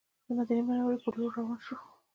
د مدینې منورې پر لور روان شوو.